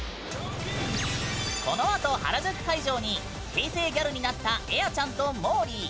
このあと原宿会場に平成ギャルになったエアちゃんと、もーりー。